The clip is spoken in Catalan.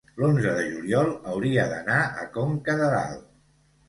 l'onze de juliol hauria d'anar a Conca de Dalt.